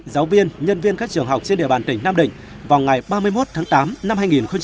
giáo viên nhân viên các trường học trên địa bàn tp hcm vào ngày ba mươi một tháng tám năm hai nghìn hai mươi một